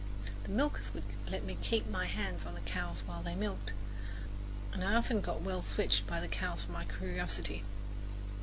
The milkers would let me keep my hands on the cows while they milked, and I often got well switched by the cow for my curiosity.